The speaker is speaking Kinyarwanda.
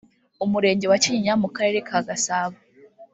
Umurenge wa Kinyinya mu Karere ka Gasabo